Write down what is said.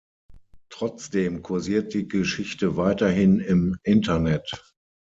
Trotzdem kursiert die Geschichte weiterhin im Internet.